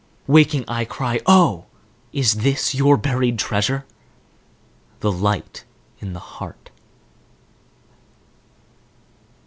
Waking, I cry "Oh, is this your buried treasure? The light in the heart."